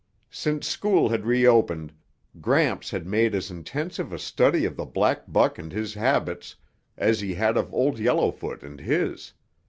Since school had reopened, Gramps had made as intensive a study of the black buck and his habits as he had of Old Yellowfoot and his.